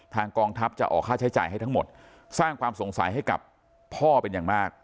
กองทัพจะออกค่าใช้จ่ายให้ทั้งหมดสร้างความสงสัยให้กับพ่อเป็นอย่างมาก